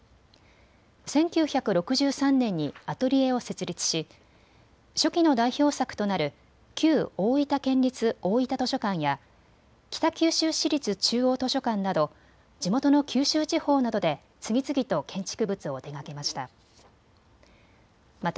１９６３年にアトリエを設立し初期の代表作となる旧大分県立大分図書館や北九州市立中央図書館など地元の九州地方などで次々と建築物を手がけました。